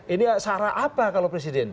ini sarah apa kalau presiden